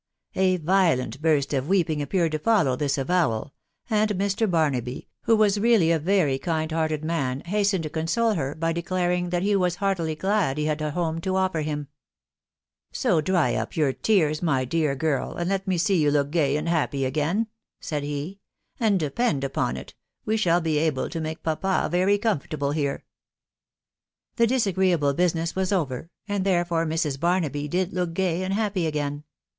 • A violent burst of weeping appeared to follow this avowal ; and Mr. Barnaby, who was really a very kind hearted man, hastened to console her by declaring that he was heartily glad he had a home to offer him. ••. i€ So dry up your tears, my dear girl, and let me see you look gay and happy again," said he; " and depend upon it, we shall be dcfte to in&fe^iiegRvm^ comfortable here." 46 TBH WIDOW BABNABK The disagreeable business was over, and therefore Mrs; Baroaby did look gay and happy again.